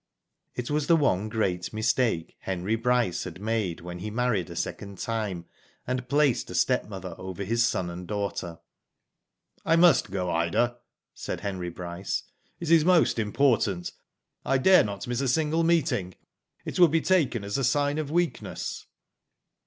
It was the one great mistake, Henry Bryce had made when he married a second time, and placed a stepmother over his son and daughter. *' I must go, Ida," said Henry Bryce. "It is most important. I dare not miss a single meeting. It would be taken as a sign of weakness."